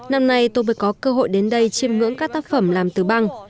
năm nay tôi mới có cơ hội đến đây chiêm ngưỡng các tác phẩm làm từ băng